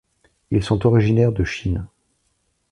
Ils sont originaires de Chine.